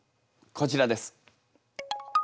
こちらです。